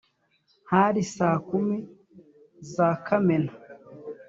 hari saa kumi za kamena